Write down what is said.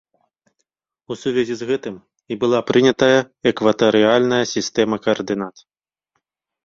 У сувязі з гэтым і была прынятая экватарыяльная сістэма каардынат.